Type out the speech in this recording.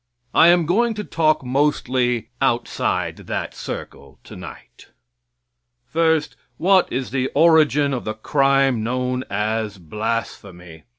I am going to talk mostly outside that circle tonight. First, what is the origin of the crime known as blasphemy?